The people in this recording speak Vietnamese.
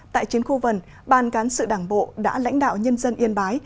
tại chiến khu vần ban cán sự đảng bộ đã lãnh đạo nhân dân yên bái